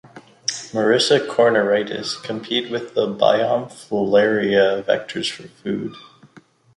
"Marisa cornuarietis" compete with the "Biomphalaria" vectors for food.